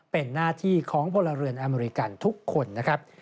เป็นหน้าที่ของพลเรือนอเมริกันทุกคนนะครับ